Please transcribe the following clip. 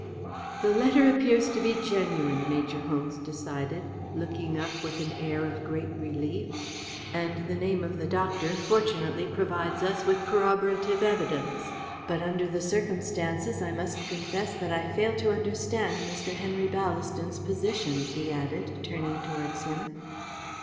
"The letter appears to be genuine," Major Holmes decided, looking up with an air of great relief, "and the name of the doctor fortunately provides us with corroborative evidence, but under the circumstances I must confess that I fail to understand Mr. Henry Ballaston's position," he added, turning towards him.